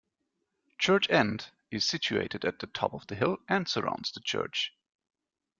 Church End is situated at the top of the hill and surrounds the church.